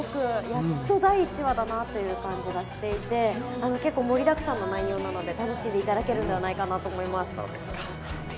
やっと第１話だなという感じがしていて結構盛りだくさんの内容なので楽しんでいただけるんでないかなと思います。